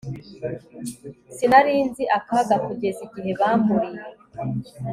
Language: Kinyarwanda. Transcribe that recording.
sinari nzi akaga kugeza igihe bamburiye